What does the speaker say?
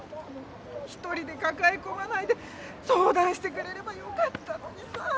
一人でかかえこまないでそうだんしてくれればよかったのにさ。